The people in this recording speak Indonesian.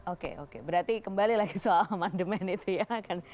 oke berarti kembali lagi soal mandemen itu ya